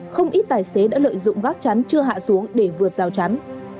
không ít tài xế đã lợi dụng gác chắn chưa hạ xuống để vượt rào chắn